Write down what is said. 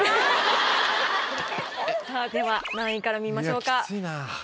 さあでは何位から見ましょうか？